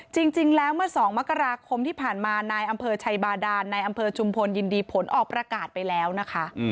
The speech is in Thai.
จริงแล้วเมื่อ๒มกราคมที่ผ่านมานายอำเภอชัยบาดานในอำเภอชุมพลยินดีผลออกประกาศไปแล้วนะคะ